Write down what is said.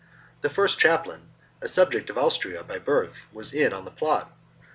The first chaplain a subject of Austria by birth was in the plot.